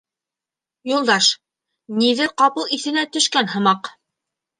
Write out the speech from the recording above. Юлдаш, ниҙер ҡапыл иҫенә төшкән һымаҡ: